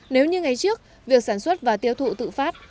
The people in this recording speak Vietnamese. nếu như ngày trước việc sản xuất và tiêu thụ tự phát